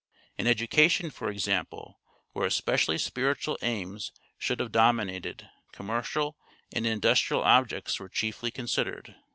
In education, for example, where especially spiritual aims should have dominated, commercial and industrial objects were chiefly considered.